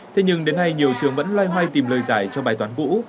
thế nhưng đến nay nhiều trường vẫn loay hoay tìm lời giải cho bài toán cũ